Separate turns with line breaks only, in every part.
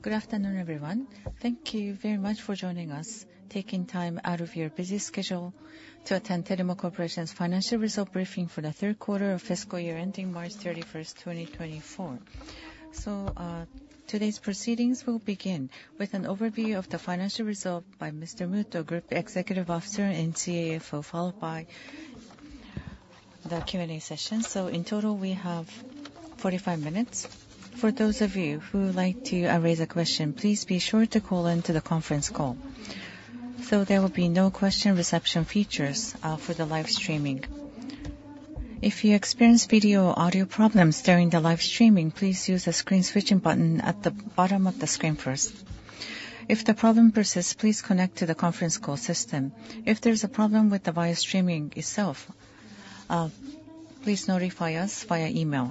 Good afternoon, everyone. Thank you very much for joining us, taking time out of your busy schedule to attend Terumo Corporation's Financial Result briefing for the third quarter of fiscal year ending March 31, 2024. Today's proceedings will begin with an overview of the financial result by Mr. Muto, Group Executive Officer and CFO, followed by the Q&A session. In total, we have 45 minutes. For those of you who would like to raise a question, please be sure to call in to the conference call. There will be no question reception features for the live streaming. If you experience video or audio problems during the live streaming, please use the screen switching button at the bottom of the screen first. If the problem persists, please connect to the conference call system. If there's a problem with the live streaming itself, please notify us via email.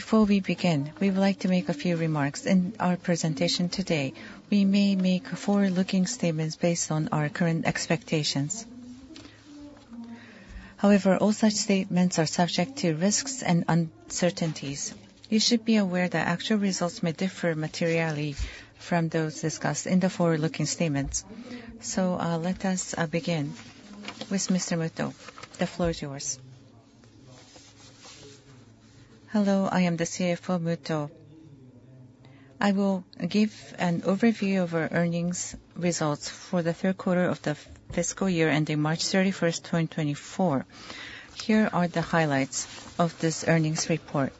Before we begin, we would like to make a few remarks. In our presentation today, we may make forward-looking statements based on our current expectations. However, all such statements are subject to risks and uncertainties. You should be aware that actual results may differ materially from those discussed in the forward-looking statements. So, let us, begin with Mr. Muto. The floor is yours.
Hello, I am the CFO, Muto. I will give an overview of our Earnings Results for the third quarter of the fiscal year ending March 31, 2024. Here are the highlights of this earnings report.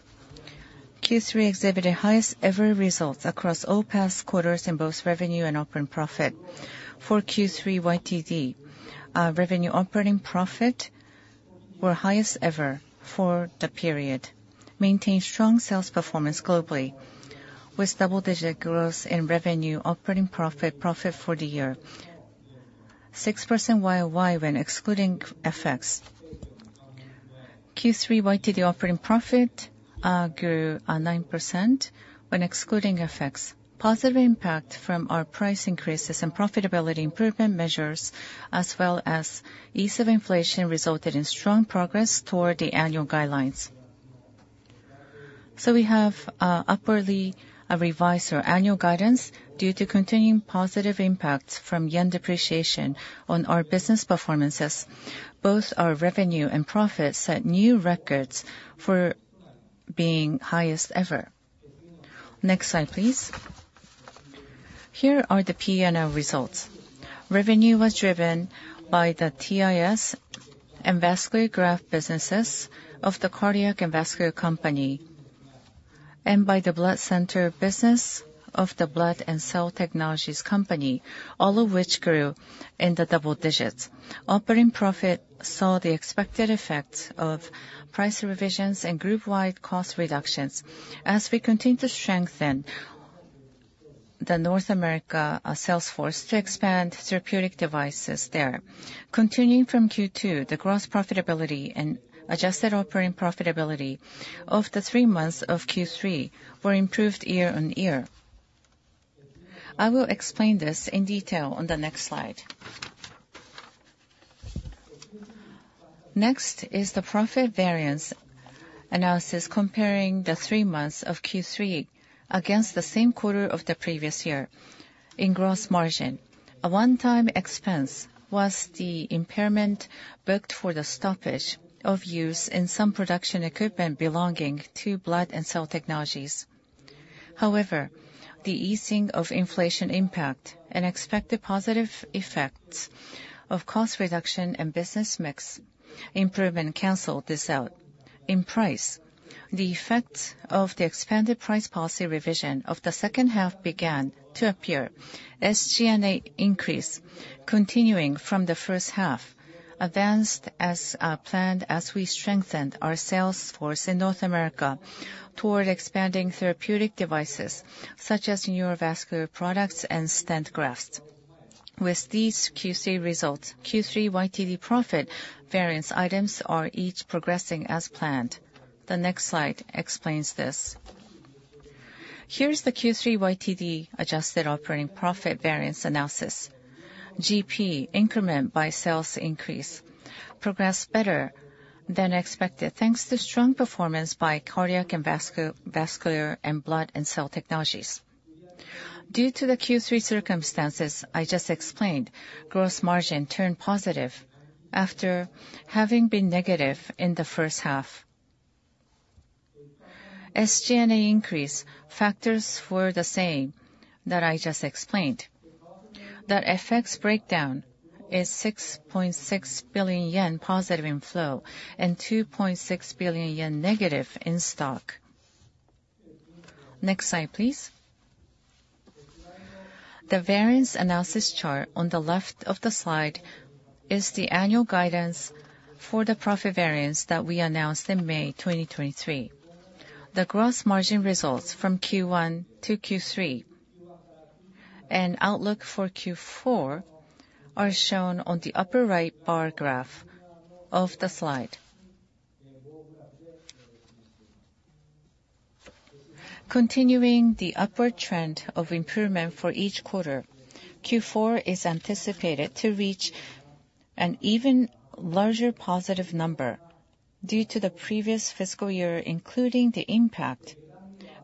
Q3 exhibited highest ever results across all past quarters in both revenue and operating profit. For Q3 YTD, our revenue, operating profit were highest ever for the period, maintained strong sales performance globally, with double-digit growth in revenue, operating profit, profit for the year, 6% YoY when excluding FX. Q3 YTD operating profit grew nine percent when excluding FX. Positive impact from our price increases and profitability improvement measures, as well as ease of inflation, resulted in strong progress toward the annual guidelines. So we have upwardly revised our annual guidance due to continuing positive impacts from yen depreciation on our business performances. Both our revenue and profit set new records for being highest ever. Next slide, please. Here are the P&L results. Revenue was driven by the TIS and vascular graft businesses of the Cardiac and Vascular Company, and by the blood center business of the Blood and Cell Technologies Company, all of which grew in the double digits. Operating profit saw the expected effects of price revisions and group-wide cost reductions as we continue to strengthen the North America sales force to expand therapeutic devices there. Continuing from Q2, the gross profitability and adjusted operating profitability of the three months of Q3 were improved year on year. I will explain this in detail on the next slide. Next is the profit variance analysis, comparing the three months of Q3 against the same quarter of the previous year. In gross margin, a one-time expense was the impairment booked for the stoppage of use in some production equipment belonging to Blood and Cell Technologies. However, the easing of inflation impact and expected positive effects of cost reduction and business mix improvement canceled this out. In price, the effects of the expanded price policy revision of the second half began to appear. SG&A increase continuing from the first half, advanced as planned as we strengthened our sales force in North America toward expanding therapeutic devices such as neurovascular products and stent grafts. With these Q3 results, Q3 YTD profit variance items are each progressing as planned. The next slide explains this. Here's the Q3 YTD adjusted operating profit variance analysis. GP increment by sales increase progressed better than expected, thanks to strong performance by cardiac and vascular and Blood and Cell Technologies. Due to the Q3 circumstances I just explained, gross margin turned positive after having been negative in the first half. SG&A increase factors were the same that I just explained. That FX breakdown is 6.6 billion yen positive in flow and 2.6 billion yen negative in stock. Next slide, please. The variance analysis chart on the left of the slide is the annual guidance for the profit variance that we announced in May 2023. The gross margin results from Q1 to Q3 and outlook for Q4 are shown on the upper right bar graph of the slide. Continuing the upward trend of improvement for each quarter, Q4 is anticipated to reach an even larger positive number due to the previous fiscal year, including the impact of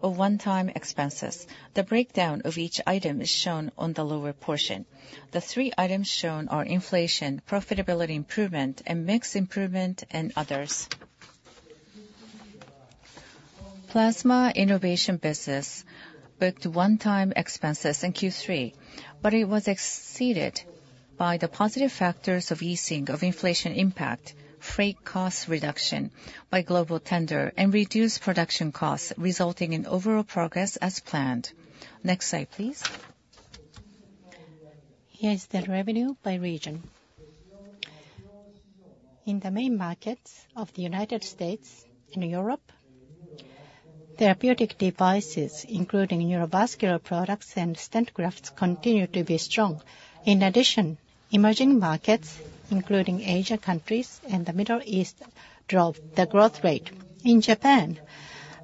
one-time expenses. The breakdown of each item is shown on the lower portion. The three items shown are inflation, profitability improvement, and mix improvement, and others. Plasma innovation business booked one-time expenses in Q3, but it was exceeded by the positive factors of easing of inflation impact, freight cost reduction by global tender, and reduced production costs, resulting in overall progress as planned. Next slide, please. Here is the revenue by region. In the main markets of the United States and Europe, therapeutic devices, including neurovascular products and stent grafts, continue to be strong. In addition, emerging markets, including Asian countries and the Middle East, drove the growth rate. In Japan,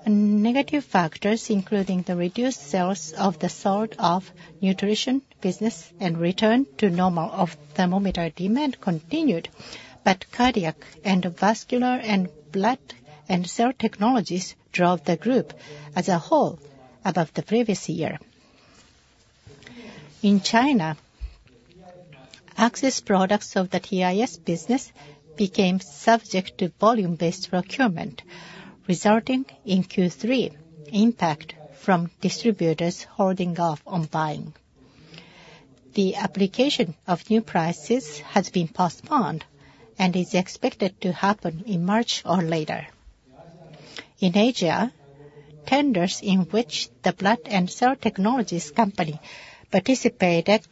negative factors, including the reduced sales of the Nutritional Products & Solutions business and return to normal of thermometer demand continued, but Cardiac and Vascular and Blood and Cell Technologies drove the group as a whole above the previous year. In China, access products of the TIS business became subject to volume-based procurement, resulting in Q3 impact from distributors holding off on buying. The application of new prices has been postponed and is expected to happen in March or later. In Asia, tenders in which the Blood and Cell Technologies Company participated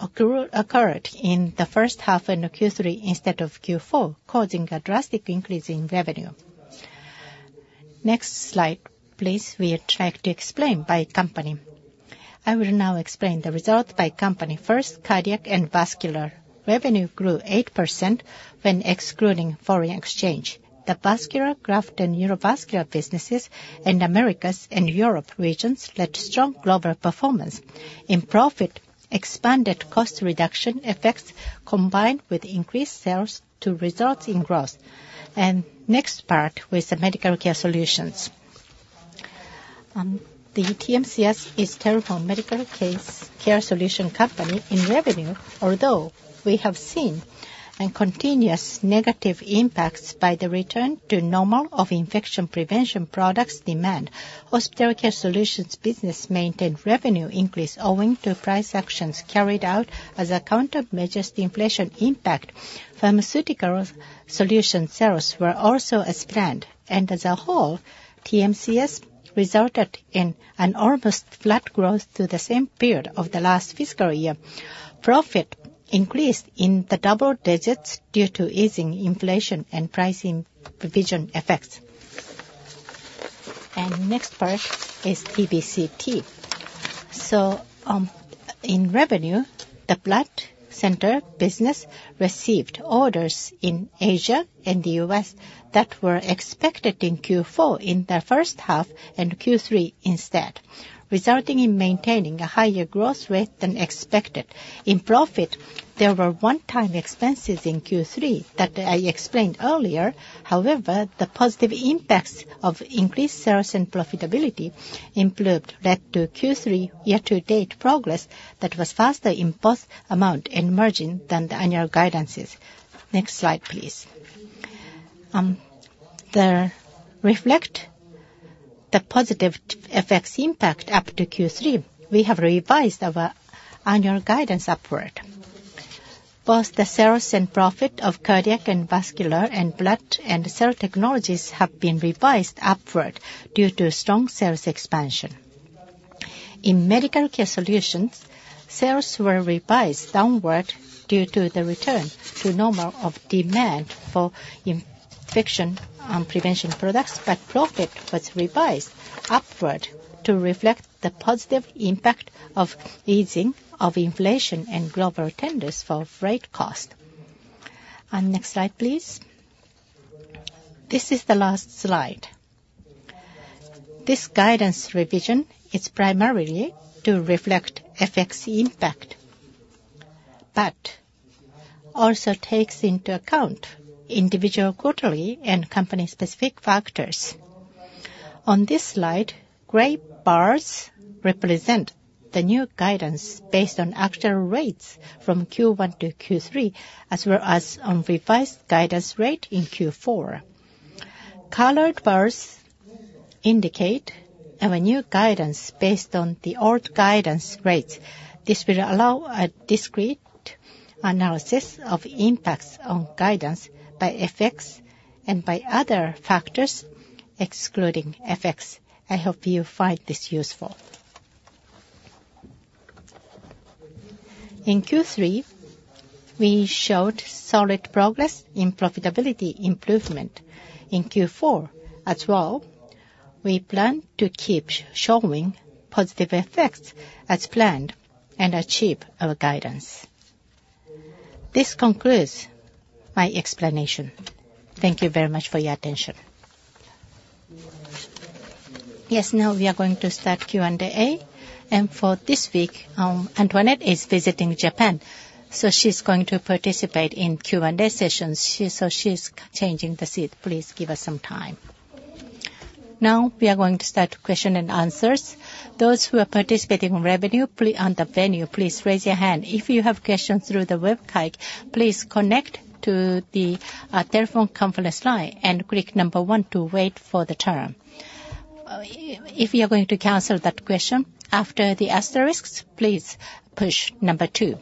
occurred in the first half in Q3 instead of Q4, causing a drastic increase in revenue. Next slide, please. We will try to explain by company. I will now explain the results by company. First, Cardiac and Vascular. Revenue grew 8% when excluding foreign exchange. The vascular graft and neurovascular businesses in Americas and Europe regions led strong global performance. In profit, expanded cost reduction effects combined with increased sales to result in growth. Next part with the Medical Care Solutions. The TMCS is Terumo Medical Care Solutions Company. In revenue, although we have seen and continuous negative impacts by the return to normal of infection prevention products demand. Hospitality Solutions business maintained revenue increase owing to price actions carried out as a countermeasure to inflation impact. Pharmaceutical solution sales were also as planned, and as a whole, TMCS resulted in an almost flat growth to the same period of the last fiscal year. Profit increased in the double digits due to easing inflation and pricing provision effects. Next part is BCT. In revenue, the blood center business received orders in Asia and the U.S. that were expected in Q4, in the first half and Q3 instead, resulting in maintaining a higher growth rate than expected. In profit, there were one-time expenses in Q3 that I explained earlier. However, the positive impacts of increased sales and profitability improved, led to Q3 year-to-date progress that was faster in both amount and margin than the annual guidance. Next slide, please. To reflect the positive effects impact up to Q3, we have revised our annual guidance upward. Both the sales and profit of Cardiac and Vascular and Blood and Cell Technologies have been revised upward due to strong sales expansion. In Medical Care Solutions, sales were revised downward due to the return to normal of demand for infection prevention products, but profit was revised upward to reflect the positive impact of easing of inflation and global tenders for freight cost. Next slide, please. This is the last slide. This guidance revision is primarily to reflect FX impact, but also takes into account individual quarterly and company-specific factors. On this slide, gray bars represent the new guidance based on actual rates from Q1 to Q3, as well as on revised guidance rate in Q4. Colored bars indicate our new guidance based on the old guidance rates. This will allow a discrete analysis of impacts on guidance by FX and by other factors, excluding FX. I hope you find this useful. In Q3, we showed solid progress in profitability improvement. In Q4, as well, we plan to keep showing positive effects as planned and achieve our guidance. This concludes my explanation. Thank you very much for your attention. Yes, now we are going to start Q&A. And for this week, Antoinette is visiting Japan, so she's going to participate in Q&A sessions. She, so she's changing the seat. Please give her some time. Now, we are going to start question and answers.
Those who are participating on the venue, please raise your hand. If you have questions through the webcast, please connect to the telephone conference line and click number one to wait for the turn. If you're going to cancel that question, after the asterisks, please push number two.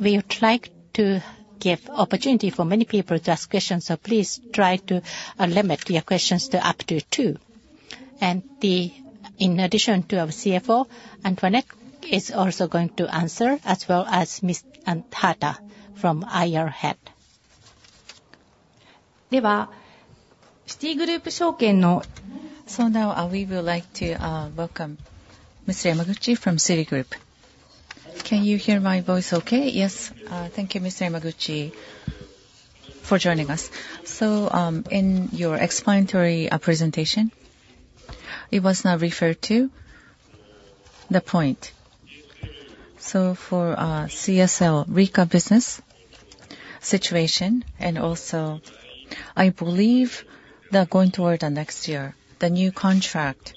We would like to give opportunity for many people to ask questions, so please try to limit your questions to up to two. And, in addition to our CFO, Antoinette is also going to answer, as well as Miss Hata from IR head. So now, we would like to welcome Mr. Yamaguchi from Citigroup.
Can you hear my voice okay?
Yes, thank you, Mr. Yamaguchi, for joining us.
So, in your explanatory presentation, it was not referred to the point. So for CSL Rika business situation, and also I believe that going toward the next year, the new contract,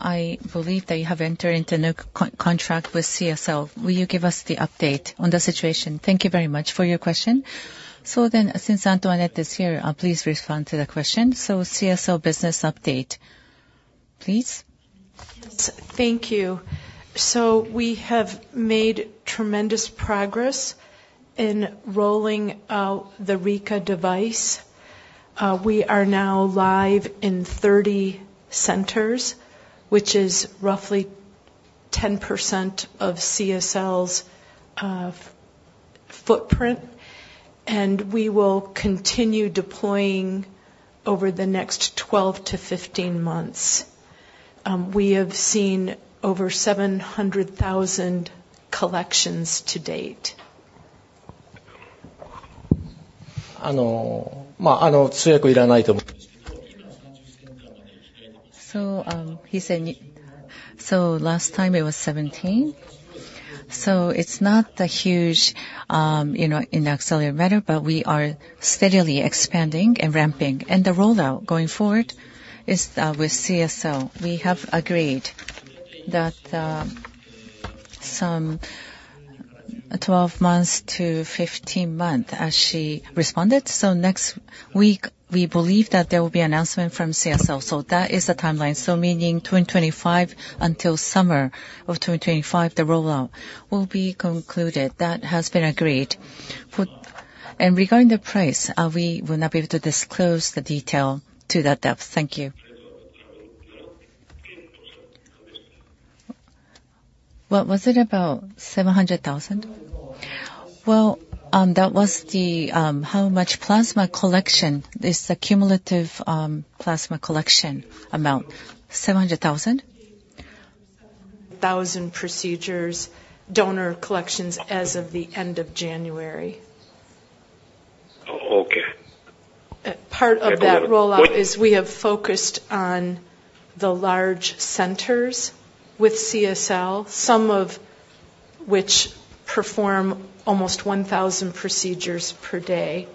I believe that you have entered into a contract with CSL. Will you give us the update on the situation?
Thank you very much for your question. So then, since Antoinette is here, please respond to the question. So CSL business update, please.
Thank you. We have made tremendous progress in rolling out the Reveos device. We are now live in 30 centers, which is roughly 10% of CSL's footprint, and we will continue deploying over the next 12-15 months. We have seen over 700,000 collections to date. So, he said, so last time it was 17, so it's not a huge, you know, in accelerator, but we are steadily expanding and ramping, and the rollout going forward is with CSL. We have agreed that some 12 months to 15 months, as she responded. So next week, we believe that there will be an announcement from CSL. So that is the timeline, so meaning 2025 until summer of 2025, the rollout will be concluded. That has been agreed. And regarding the price, we will not be able to disclose the detail to that depth. Thank you. What was it about 700,000? Well, that was the how much plasma collection, it's the cumulative plasma collection amount. 700,000? Thousand procedures, donor collections as of the end of January. Oh, okay. Part of that rollout is we have focused on the large centers with CSL, some of which perform almost 1,000 procedures per day.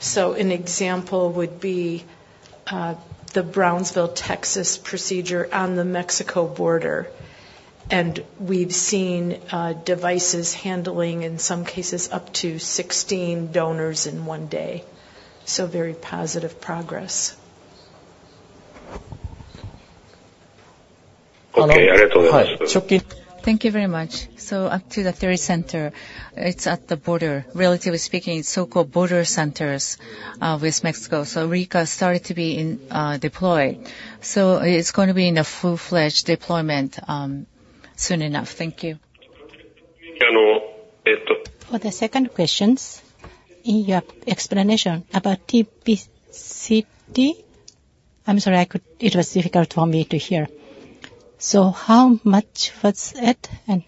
So an example would be the Brownsville, Texas, procedure on the Mexico border. And we've seen devices handling, in some cases, up to 16 donors in one day. So very positive progress. Okay.
Thank you very much. So up to today, the center, it's at the border. Relatively speaking, it's so-called border centers with Mexico, so Rika started to be in, deployed. So it's going to be in a full-fledged deployment, soon enough. Thank you.
For the second question, in your explanation about TBCT, I'm sorry, it was difficult for me to hear. So how much was it?
And,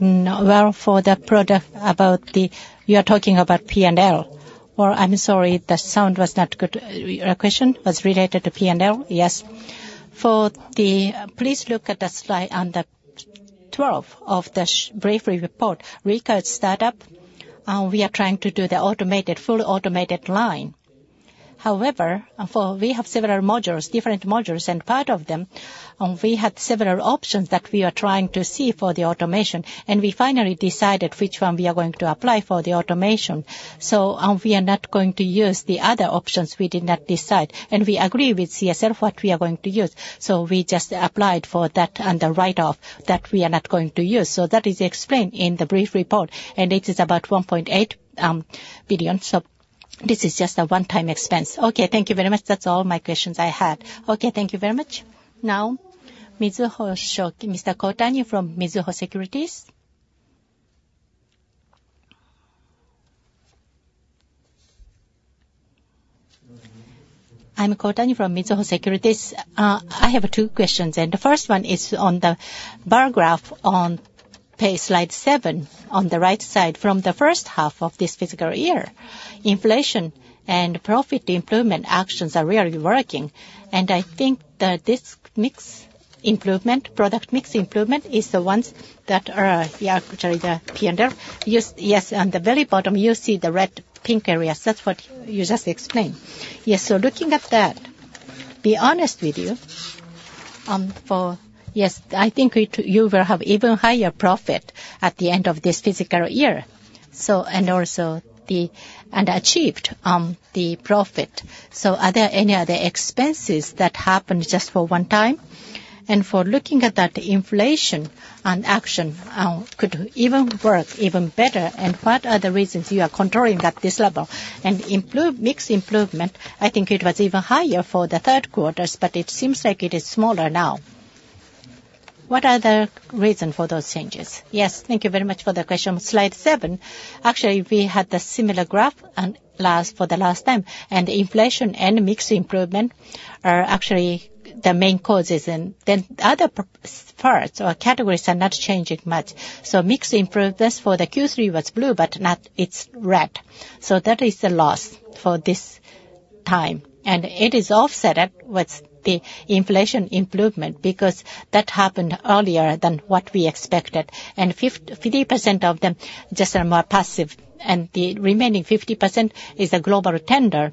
well, for the product about the, you are talking about P&L. Or I'm sorry, the sound was not good. Your question was related to P&L?
Yes.
For the, please look at the slide on the twelfth of the brief report. Rika startup, we are trying to do the automated, fully automated line. However, for we have several modules, different modules, and part of them, we had several options that we are trying to see for the automation, and we finally decided which one we are going to apply for the automation. So, we are not going to use the other options we did not decide. We agree with CSL what we are going to use, so we just applied for that on the write-off that we are not going to use. So that is explained in the brief report, and it is about 1.8 billion. So this is just a one-time expense.
Okay, thank you very much. That's all my questions I had.
Okay, thank you very much. Now, Mizuho Securities, Mr. Kohtani from Mizuho Securities.
I'm Kohtani from Mizuho Securities. I have two questions, and the first one is on the bar graph on page slide seven, on the right side, from the first half of this fiscal year, inflation and profit improvement actions are really working. And I think that this mix improvement, product mix improvement, is the ones that are sorry, the P&L. Yes on the very bottom, you see the red, pink areas. That's what you just explained. Yes, so looking at that, be honest with you, for yes, I think you will have even higher profit at the end of this fiscal year. So, and also the, and achieved, the profit. So are there any other expenses that happened just for one time? And for looking at that inflation and mix, could even work even better, and what are the reasons you are controlling at this level? And mix improvement, I think it was even higher for the third quarters, but it seems like it is smaller now. What are the reason for those changes?
Yes, thank you very much for the question. Slide seven, actually, we had a similar graph last time, and inflation and mix improvement are actually the main causes. And then other parts or categories are not changing much. So mix improvement for the Q3 was blue, but not, it's red. So that is a loss for this time, and it is offset with the inflation improvement because that happened earlier than what we expected. And 50% of them just are more passive, and the remaining 50% is a global tender.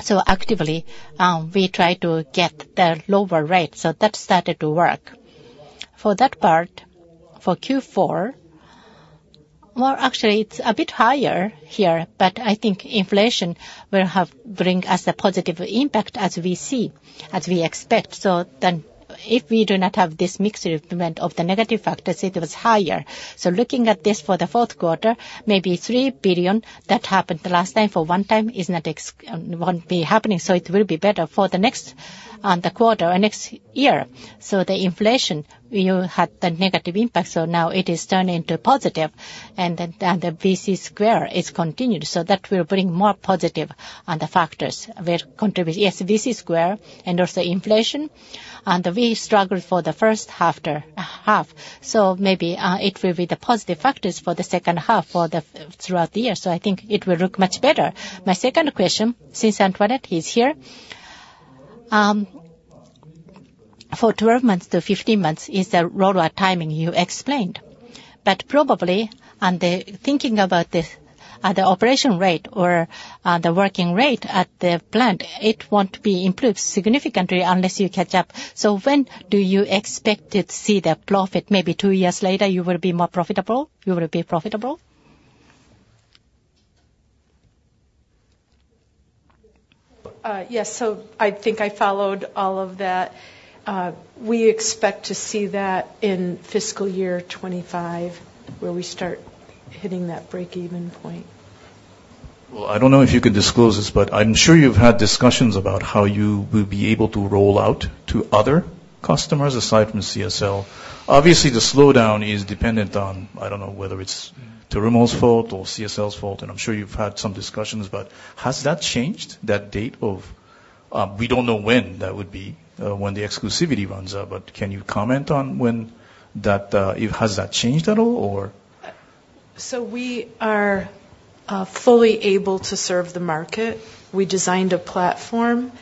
So actively, we try to get the lower rate, so that started to work. For that part, for Q4, well, actually, it's a bit higher here, but I think inflation will bring us a positive impact as we see, as we expect. So then, if we do not have this mix improvement of the negative factors, it was higher. So looking at this for the fourth quarter, maybe 3 billion that happened last time for one time is not, won't be happening, so it will be better for the next, the quarter and next year. So the inflation, we had the negative impact, so now it is turning to positive, and then, and the BC Square is continued, so that will bring more positive on the factors will contribute. Yes, BC Square and also inflation, and we struggled for the first half, so maybe it will be the positive factors for the second half throughout the year. So I think it will look much better.
My second question, since Antoinette is here, for 12-15 months is the rollout timing you explained but probably, on the thinking about this, at the operation rate or, the working rate at the plant, it won't be improved significantly unless you catch up. So when do you expect to see the profit? Maybe two years later, you will be more profitable, you will be profitable?
Yes, so I think I followed all of that. We expect to see that in fiscal year 2025, where we start hitting that break-even point.
Well, I don't know if you could disclose this, but I'm sure you've had discussions about how you will be able to roll out to other customers aside from CSL. Obviously, the slowdown is dependent on, I don't know whether it's Terumo's fault or CSL's fault, and I'm sure you've had some discussions, but has that changed, that date of. We don't know when that would be, when the exclusivity runs out, but can you comment on when that, has that changed at all, or?
We are fully able to serve the market. We designed a platform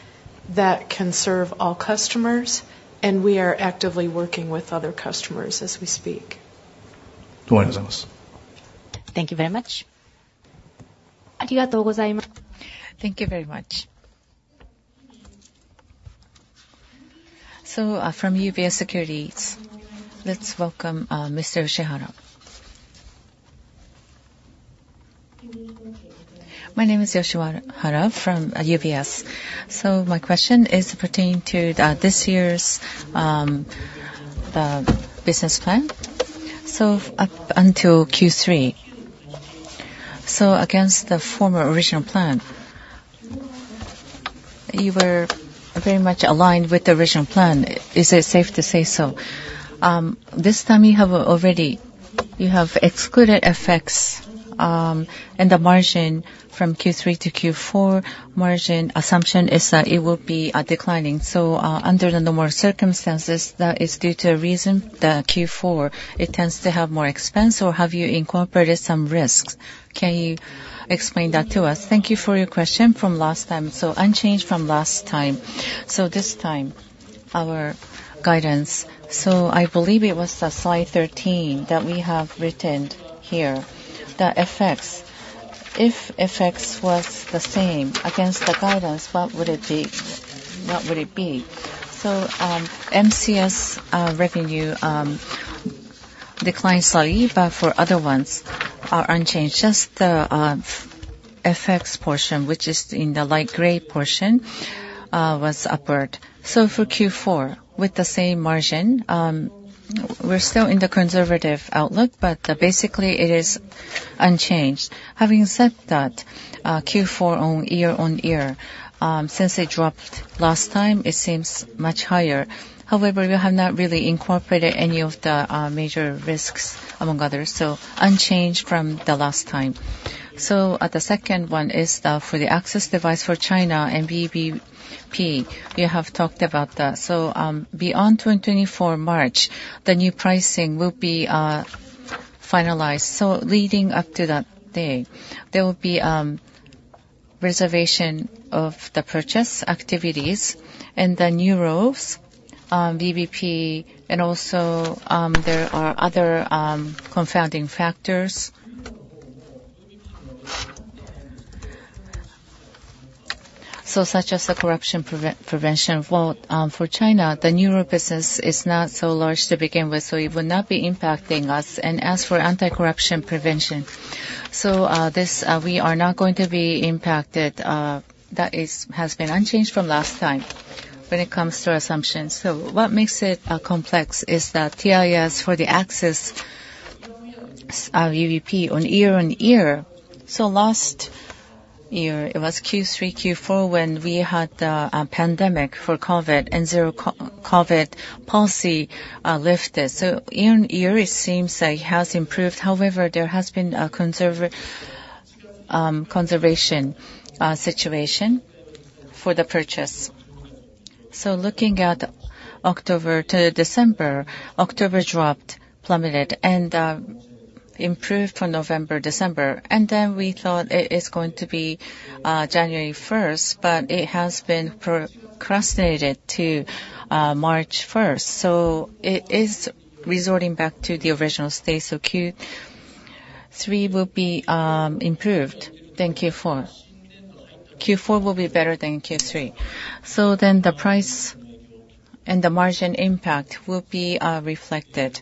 that can serve all customers, and we are actively working with other customers as we speak.
Thank you very much.
Thank you very much. So, from UBS Securities, let's welcome, Mr. Yoshihara.
My name is Yoshihara from, UBS. So my question is pertaining to, this year's, the business plan. So up until Q3, so against the former original plan, you were very much aligned with the original plan. Is it safe to say so? This time you have already, you have excluded effects, and the margin from Q3 to Q4, margin assumption is that it will be, declining. So, under the normal circumstances, that is due to a reason that Q4, it tends to have more expense, or have you incorporated some risks? Can you explain that to us?
Thank you for your question. From last time, so unchanged from last time. So this time, our guidance, so I believe it was the slide 13 that we have written here, the effects. If effects was the same against the guidance, what would it be? What would it be? So, MCS revenue declined slightly, but for other ones are unchanged. Just the FX portion, which is in the light gray portion, was upward. So for Q4, with the same margin, we're still in the conservative outlook, but basically, it is unchanged. Having said that, Q4 on year-on-year, since it dropped last time, it seems much higher. However, we have not really incorporated any of the major risks, among others, so unchanged from the last time. So, the second one is for the access device for China and VBP, we have talked about that. So, beyond 2024 March, the new pricing will be finalized. So leading up to that date, there will be reservation of the purchase activities and the new rules, VBP, and also, there are other confounding factors. So such as the corruption prevention vote, for China, the neuro business is not so large to begin with, so it will not be impacting us. And as for anti-corruption prevention, so, this, we are not going to be impacted. That is, has been unchanged from last time when it comes to assumptions. So what makes it complex is that TIS for the access, VBP year-on-year. So last year, it was Q3, Q4, when we had a pandemic for COVID and zero-COVID policy lifted. So year on year, it seems like it has improved. However, there has been a conservation situation for the purchase. So looking at October to December, October dropped, plummeted, and improved from November, December, and then we thought it is going to be January first, but it has been procrastinated to March first. So it is resorting back to the original state. So Q3 will be improved than Q4. Q4 will be better than Q3. So then the price and the margin impact will be reflected.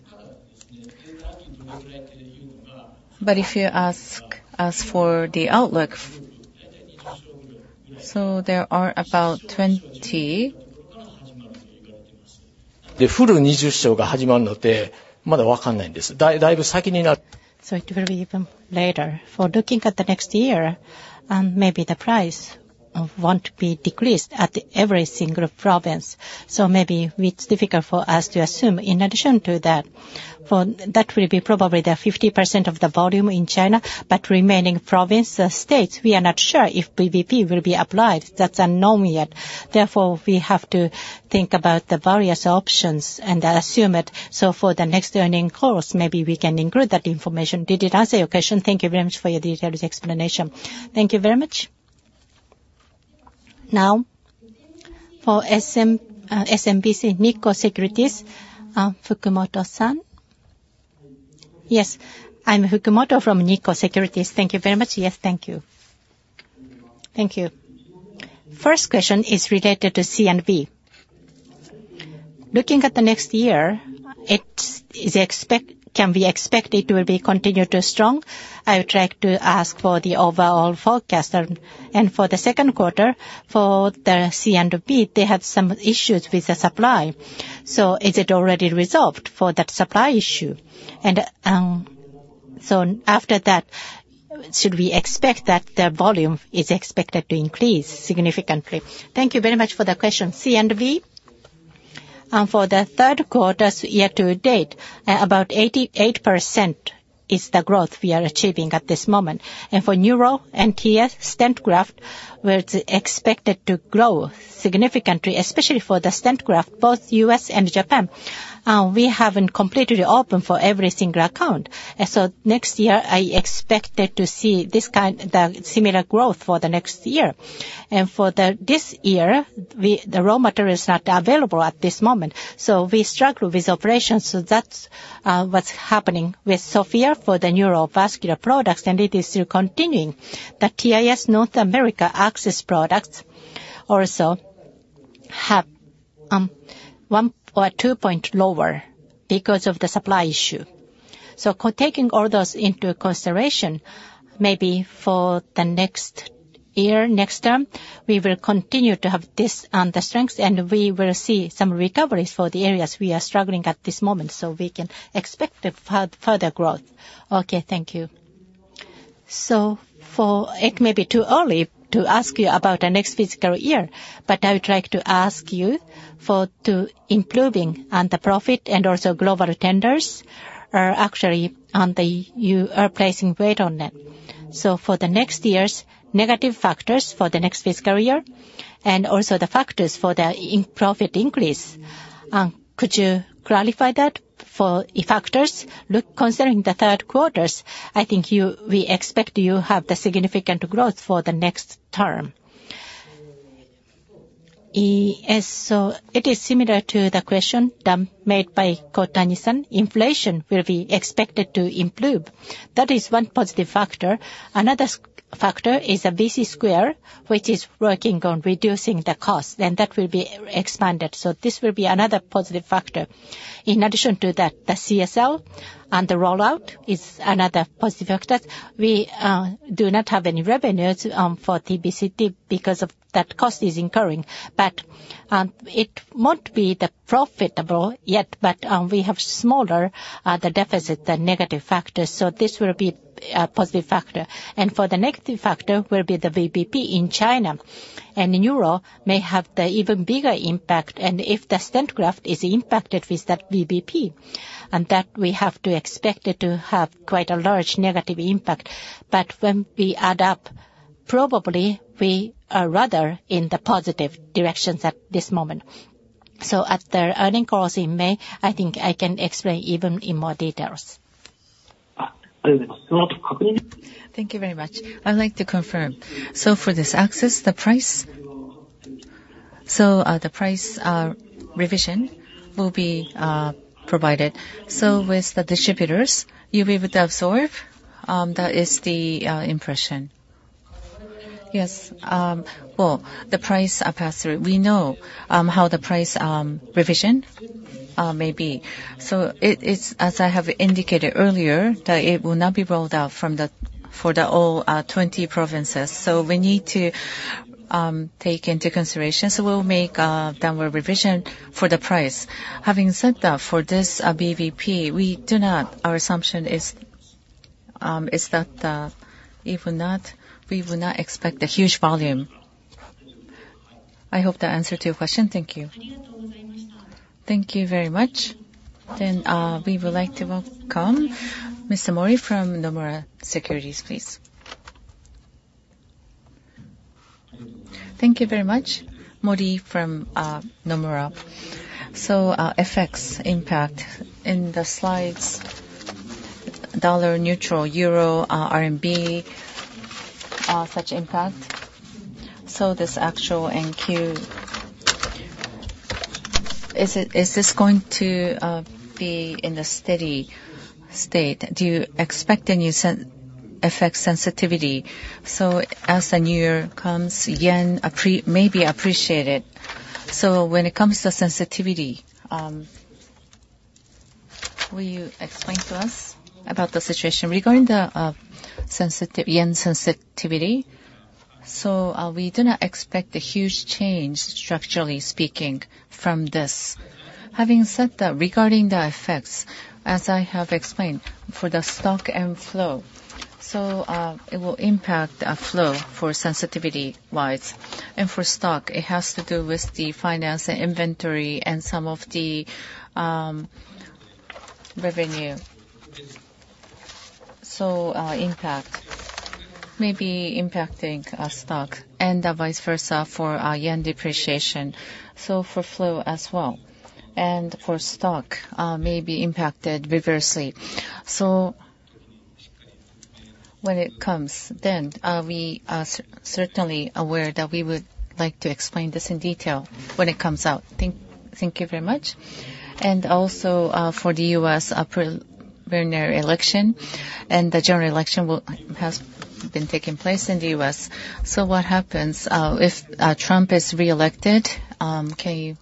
But if you ask us for the outlook, so there are about 20. So it will be even later. For looking at the next year, maybe the price won't be decreased at every single province, so maybe it's difficult for us to assume. In addition to that, for that will be probably the 50% of the volume in China, but remaining province, states, we are not sure if VBP will be applied. That's unknown yet. Therefore, we have to think about the various options and assume it. So for the next earnings call, maybe we can include that information. Did it answer your question?
Thank you very much for your detailed explanation.
Thank you very much. Now for SMBC Nikko Securities, Fukumoto San.
Yes, I'm Fukumoto from Nikko Securities. Thank you very much. Yes, thank you. Thank you. First question is related to C&V. Looking at the next year, can we expect it will be continued to strong? I would like to ask for the overall forecast. For the second quarter, for the C&V, they have some issues with the supply. So is it already resolved for that supply issue? So after that, should we expect that the volume is expected to increase significantly?
Thank you very much for the question. C&V, for the third quarter's year to date, about 88% is the growth we are achieving at this moment. For neuro and TIS stent graft, where it's expected to grow significantly, especially for the stent graft, both U.S. and Japan, we haven't completely opened for every single account. Next year, I expected to see this kind, the similar growth for the next year. For this year, we, the raw material is not available at this moment, so we struggle with operations. So that's what's happening with Sofia for the neurovascular products, and it is still continuing. The TIS North America access products also have one or two point lower because of the supply issue. So taking all those into consideration, maybe for the next year, next term, we will continue to have this, the strengths, and we will see some recoveries for the areas we are struggling at this moment, so we can expect a further growth.
Okay, thank you. So, it may be too early to ask you about the next fiscal year, but I would like to ask you for to improving on the profit and also global tenders are actually on the, you are placing weight on it. So for the next year's negative factors, for the next fiscal year, and also the factors for the profit increase, could you clarify that for the factors?
Look, considering the third quarters, I think we expect significant growth for the next term. Yes, so it is similar to the question made by Kohtani-san. Inflation will be expected to improve. That is one positive factor. Another factor is BC Square, which is working on reducing the cost, and that will be expanded. So this will be another positive factor. In addition to that, the CSL and the rollout is another positive factor. We do not have any revenues for TBCT because of that cost is incurring, but it won't be the profitable yet, but we have smaller the deficit, the negative factors, so this will be a positive factor. And for the negative factor will be the VBP in China, and neuro may have the even bigger impact. And if the stent graft is impacted with that VBP, and that we have to expect it to have quite a large negative impact. But when we add up, probably we are rather in the positive directions at this moment. So at the earnings calls in May, I think I can explain even in more details.
Ah, thank you very much. Thank you very much. I'd like to confirm, so for this access, the price, so, the price, revision will be, provided. So with the distributors, you'll be able to absorb, that is the, impression?
Yes, well, the price, pass through. We know, how the price, revision, may be. So it, it's as I have indicated earlier, that it will not be rolled out from the- for the all, 20 provinces. So we need to, take into consideration. So we'll make, downward revision for the price. Having said that, for this, VBP, we do not -- our assumption is, is that, if we not, we will not expect a huge volume. I hope that answered your question.
Thank you.
Thank you very much. Then, we would like to welcome Mr. Mori from Nomura Securities, please.
Thank you very much. Mori from Nomura. So, FX impact. In the slides, dollar neutral, euro, RMB, such impact. So this actual NQ, is it, is this going to be in a steady state? Do you expect a new FX sensitivity? So as the new year comes, yen may be appreciated. So when it comes to sensitivity, will you explain to us about the situation?
Regarding the yen sensitivity, so, we do not expect a huge change, structurally speaking, from this. Having said that, regarding the effects, as I have explained, for the stock and flow, so, it will impact flow sensitivity-wise. For stock, it has to do with the finance and inventory and some of the revenue. So, impact may be impacting stock and vice versa for yen depreciation, so for flow as well. For stock may be impacted reversely. So when it comes, then, we are certainly aware that we would like to explain this in detail when it comes out.
Thank you very much. Also, for the U.S. preliminary election, and the general election has been taking place in the U.S. So what happens if Trump is re-elected? Can you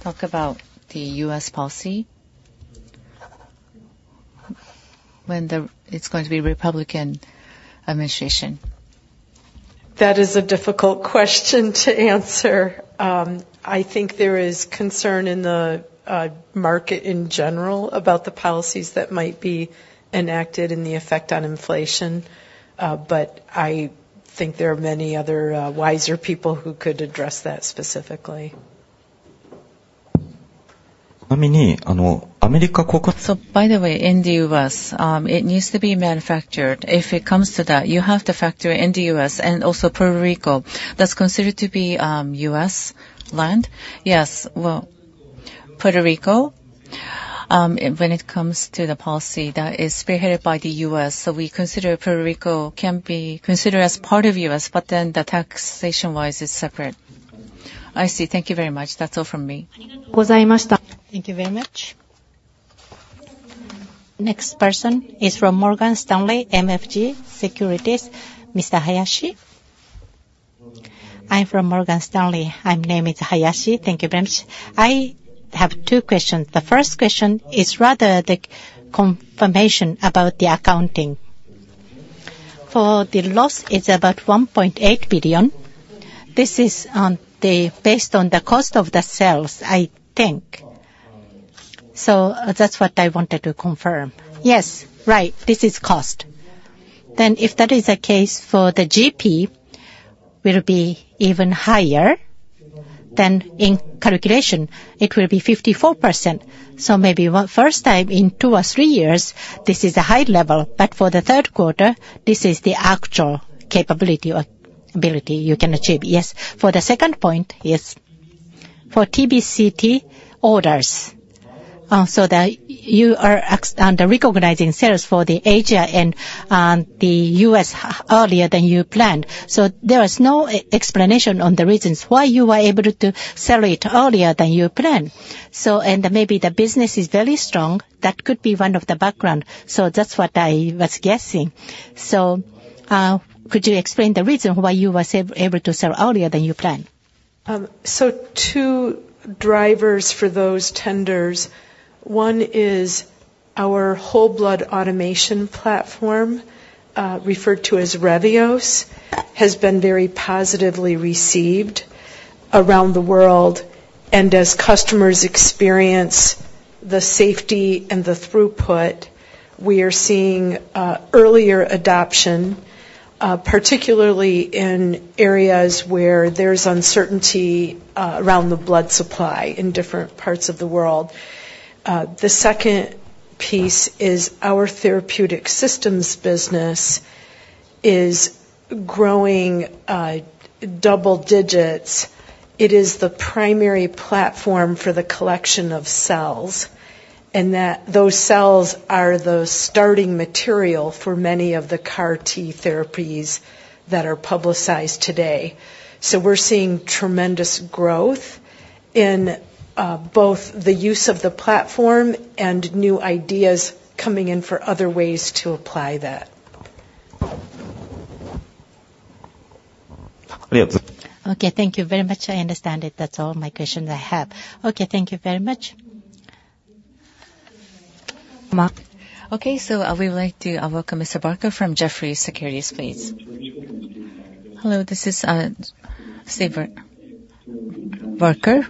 talk about the U.S. policy when it's going to be Republican administration?
That is a difficult question to answer. I think there is concern in the, market in general about the policies that might be enacted and the effect on inflation. But I think there are many other, wiser people who could address that specifically.
So by the way, in the U.S., it needs to be manufactured. If it comes to that, you have to factor in the U.S. and also Puerto Rico. That's considered to be U.S. land?
Yes. Well, Puerto Rico, when it comes to the policy, that is spearheaded by the U.S., so we consider Puerto Rico can be considered as part of U.S., but then the taxation-wise, it's separate.
I see. Thank you very much. That's all from me.
Thank you very much. Next person is from Morgan Stanley MUFG Securities, Mr. Hayashi.
I'm from Morgan Stanley. My name is Hayashi. Thank you very much. I have two questions. The first question is rather the confirmation about the accounting. For the loss, it's about 1.8 billion. This is on the, based on the cost of the sales, I think. So that's what I wanted to confirm.
Yes, right, this is cost. Then if that is the case for the GP, will be even higher than in calculation. It will be 54%. So maybe first time in two or three years, this is a high level, but for the third quarter, this is the actual capability or ability you can achieve. For the second point, yes, for TBCT orders. You are asking the recognizing sales for Asia and the U.S. had earlier than you planned. So there is no explanation on the reasons why you were able to sell it earlier than you planned. So, and maybe the business is very strong, that could be one of the background.
So that's what I was guessing. So, could you explain the reason why you were able to sell earlier than you planned?
So two drivers for those tenders. One is our whole blood automation platform, referred to as Reveos, has been very positively received around the world. And as customers experience the safety and the throughput, we are seeing, earlier adoption, particularly in areas where there's uncertainty, around the blood supply in different parts of the world. The second piece is our therapeutic systems business is growing double digits. It is the primary platform for the collection of cells, and that those cells are the starting material for many of the CAR T therapies that are publicized today. So we're seeing tremendous growth in both the use of the platform and new ideas coming in for other ways to apply that.
Okay, thank you very much. I understand it. That's all my questions I have.
Okay, thank you very much. Okay, so, we would like to welcome Mr. Barker from Jefferies Securities, please.
Hello, this is Steve Barker.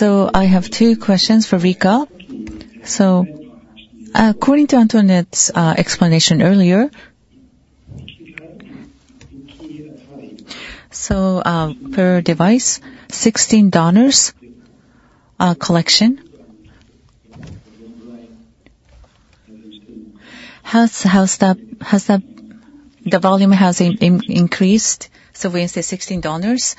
I have two questions for Rika. According to Antoinette's explanation earlier, per device, 16 donors collection. How has the volume increased? So we can say 16 donors,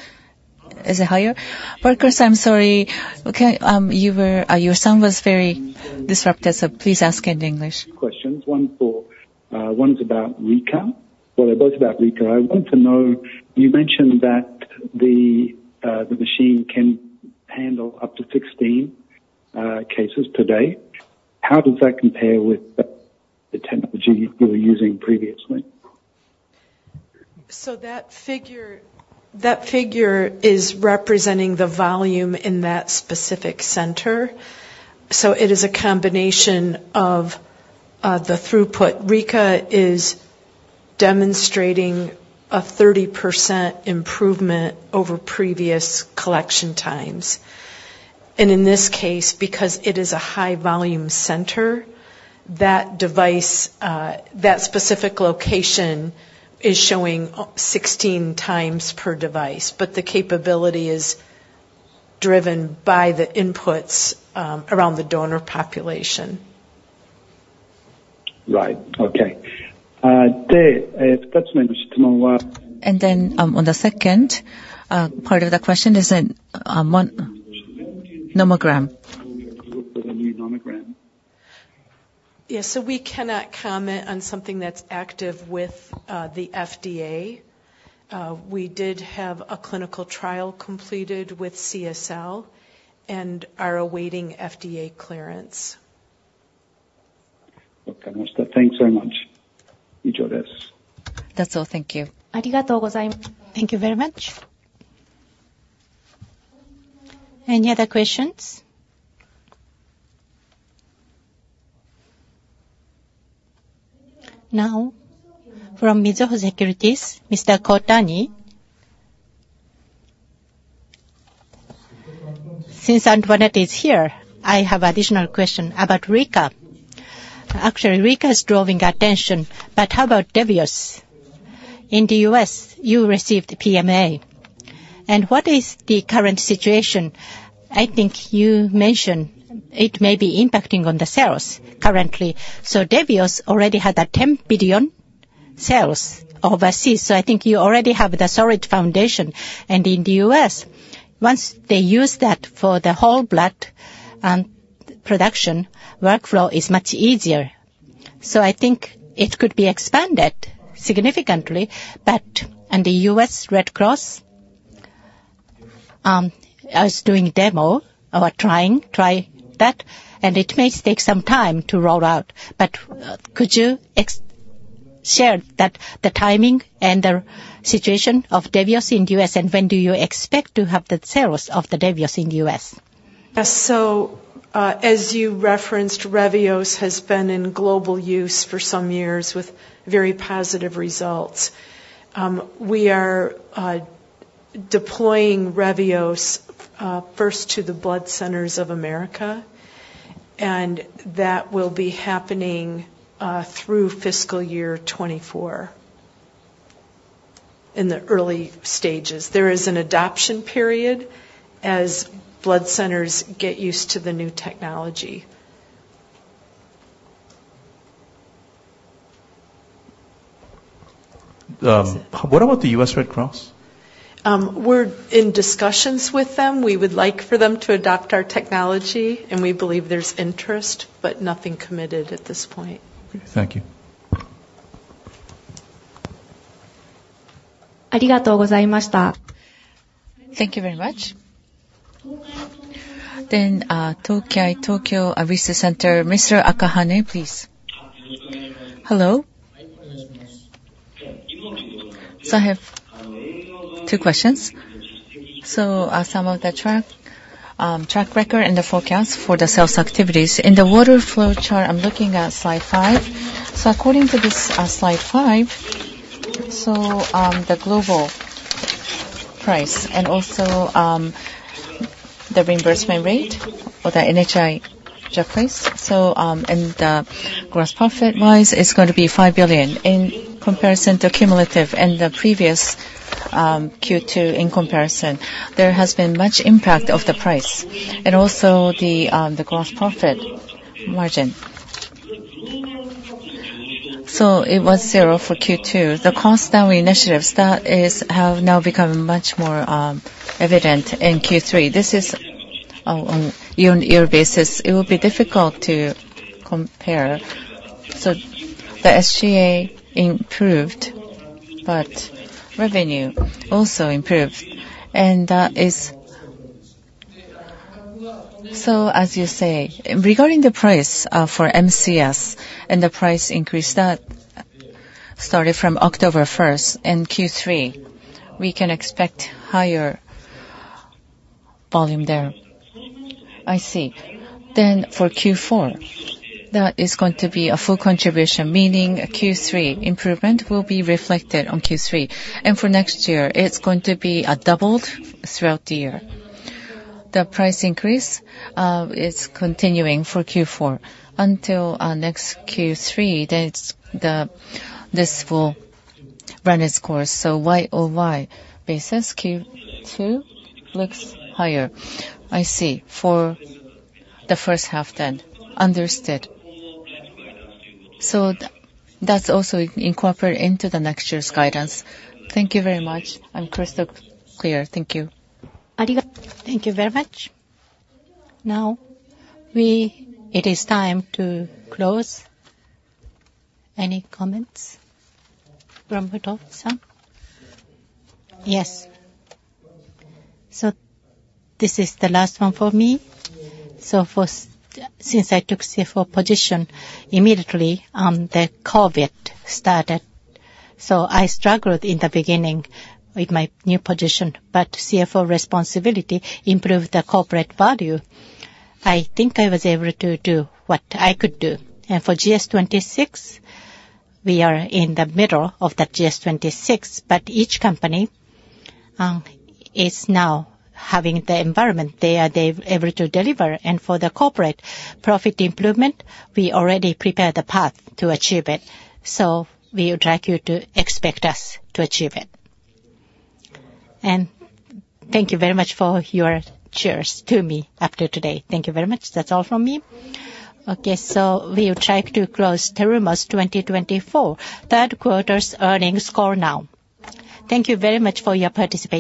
is it higher?
Barker, I'm sorry. Okay, you were, your sound was very disrupted, so please ask in English.
Questions, one for, one is about Rika. Well, they're both about Rika. I want to know, you mentioned that the machine can handle up to 16 cases today. How does that compare with the technology you were using previously?
So that figure, that figure is representing the volume in that specific center, so it is a combination of the throughput. Rika is demonstrating a 30% improvement over previous collection times, and in this case, because it is a high volume center, that device, that specific location is showing 16x per device. But the capability is driven by the inputs around the donor population.
Right. Okay. There,
And then, on the second part of the question is in iNomi nomogram.
For the new Nomogram.
Yes, so we cannot comment on something that's active with the FDA. We did have a clinical trial completed with CSL and are awaiting FDA clearance.
Okay, master. Thanks so much.
That's all. Thank you. Thank you very much. Any other questions? Now, from Mizuho Securities, Mr. Kohtani.
Since Antoinette is here, I have additional question about Rika. Actually, Rika is drawing attention, but how about Reveos? In the U.S., you received the PMA, and what is the current situation? I think you mentioned it may be impacting on the sales currently. So Reveos already had a 10 billion sales overseas, so I think you already have the solid foundation. And in the U.S., once they use that for the whole blood and production, workflow is much easier. So I think it could be expanded significantly, but and the U.S. Red Cross is doing a demo or trying that, and it may take some time to roll out. Could you share that, the timing and the situation of Reveos in the U.S., and when do you expect to have the sales of the Reveos in the U.S.?
As you referenced, Reveos has been in global use for some years with very positive results. We are deploying Reveos first to the Blood Centers of America, and that will be happening through fiscal year 2024. In the early stages, there is an adoption period as blood centers get used to the new technology.
What about the U.S. Red Cross?
We're in discussions with them. We would like for them to adopt our technology, and we believe there's interest, but nothing committed at this point.
Thank you. Thank you very much.
Then, Tokai Tokyo Research Center, Mr. Akahane, please.
Hello. So I have two questions. So, some of the track record and the forecast for the sales activities. In the waterfall chart, I'm looking at slide 5. So according to this, slide 5, the global price and also the reimbursement rate or the NHI price. So, and the gross profit-wise, it's going to be 5 billion. In comparison to cumulative and the previous Q2 in comparison, there has been much impact of the price and also the gross profit margin. So it was 0% for Q2. The cost down initiatives, that is, have now become much more evident in Q3. This is on year-on-year basis, it will be difficult to compare.
So the SGA improved, but revenue also improved, and that is, so as you say, regarding the price, for MCS and the price increase, that started from October 1st in Q3, we can expect higher volume there. I see. Then for Q4, that is going to be a full contribution, meaning Q3 improvement will be reflected on Q3. And for next year, it's going to be doubled throughout the year. The price increase is continuing for Q4. Until next Q3, that's the this full run its course. So Y-o-Y basis, Q2 looks higher. I see. For the first half then. Understood. So that's also incorporated into the next year's guidance. Thank you very much.
I'm crystal clear. Thank you.
Thank you very much. Now it is time to close. Any comments from Muto-san?
Yes. This is the last one for me. First, since I took CFO position, immediately, the COVID started. I struggled in the beginning with my new position, but CFO responsibility improved the corporate value. I think I was able to do what I could do. For GS26, we are in the middle of the GS26, but each company is now having the environment they are, they're able to deliver. For the corporate profit improvement, we already prepared the path to achieve it. We would like you to expect us to achieve it. Thank you very much for your cheers to me after today. Thank you very much. That's all from me.
Okay, we would like to close Terumo's 2024 third-quarter earnings call now. Thank you very much for your participation.